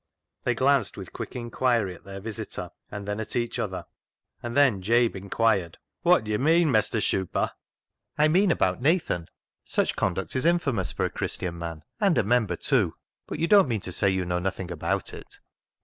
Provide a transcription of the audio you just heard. They glanced with quick inquiry at their visitor, and then at each other, and then Jabe inquired —" Wot dew yo' meean, Mester * Shuper '?"" I mean about Nathan. Such conduct is infamous for a Christian man, and a member, too. But you don't mean to say you know nothing about it